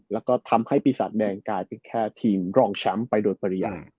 แล้วก็ทำให้ปีศาจแดงกลายเป็นแค่ทีมรองแชมป์ไปโดยปริญญา